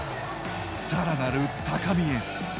さらなる高みへ。